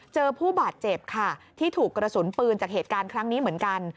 ผู้บาดเจ็บค่ะที่ถูกกระสุนปืนจากเหตุการณ์ครั้งนี้เหมือนกัน